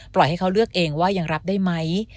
ให้เขาเลือกเองว่ายังรับได้ไหม